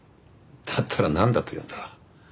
だったらなんだというんだ。